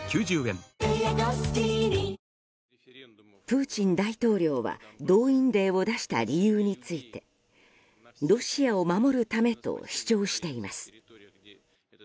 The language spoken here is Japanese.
プーチン大統領は動員令を出した理由についてロシアを守るためと主張しています。